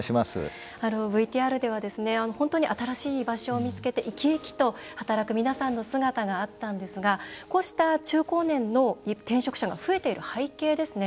ＶＴＲでは、本当に新しい居場所を見つけて生き生きと働く皆さんの姿があったんですがこうした中高年の転職者が増えている背景ですね